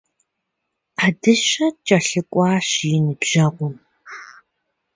Ӏэдыщэ кӀэлъыкӀуащ и ныбжьэгъум.